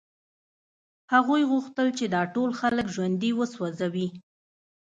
هغوی غوښتل چې دا ټول خلک ژوندي وسوځوي